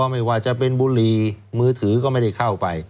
ไม่ว่าจะเป็นบุหรี่มือถือก็ไม่ได้เข้าไป